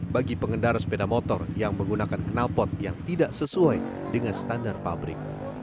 bagi pengendara sepeda motor yang menggunakan kenalpot yang tidak sesuai dengan standar pabrik